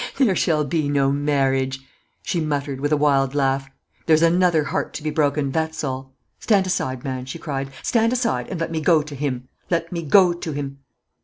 "There shall be no marriage," she muttered, with a wild laugh. "There's another heart to be broken that's all. Stand aside, man," she cried; "stand aside, and let me go to him; let me go to him."